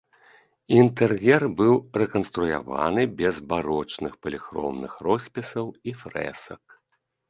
Інтэр'ер быў рэканструяваны без барочных паліхромных роспісаў і фрэсак.